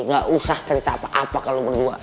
gak usah cerita apa apa kalau berdua